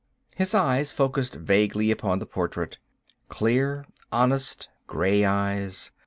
His eyes focussed vaguely upon the portrait. Clear, honest gray eyes